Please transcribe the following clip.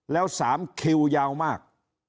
แล้ว๓คิวยาวมาก